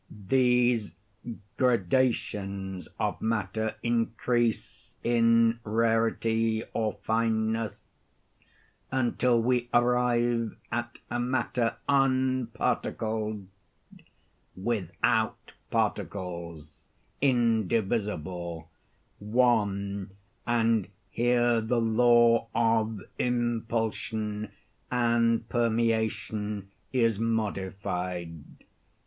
These gradations of matter increase in rarity or fineness, until we arrive at a matter unparticled—without particles—indivisible—one; and here the law of impulsion and permeation is modified.